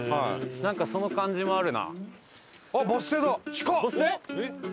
なんかその感じもあるな。